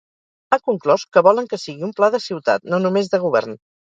Ha conclòs que volen que sigui un pla de ciutat, no només de govern.